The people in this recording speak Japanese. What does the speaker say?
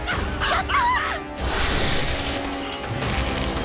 やった！